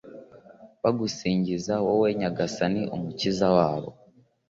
bagusingiza, wowe nyagasani, umukiza wabo